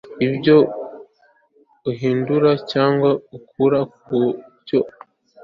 ibyo ahindura cyangwa akura ku byo yari